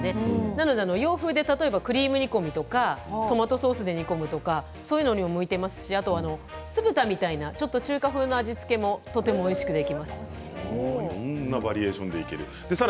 なので洋風でクリーム煮込みとかトマトソースで煮込むとかそういったものにも向いていますし酢豚みたいな中華風の味付けもいろんなバリエーションでいけます。